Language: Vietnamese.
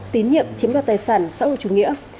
tín nhiệm chiếm đoạt tài sản xã hội chủ nghĩa